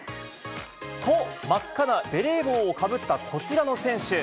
と、真っ赤なベレー帽をかぶったこちらの選手。